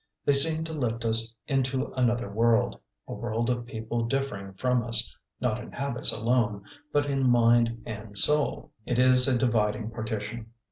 They seem to lift us into another world a world of people differing from us, not in habits alone, but in mind and soul. It is a dividing partition.